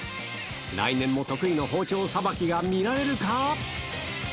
来年も得意の包丁さばきが見られるか。